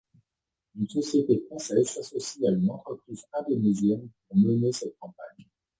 Une société française s'associe à une entreprise indonésienne pour mener cette campagne.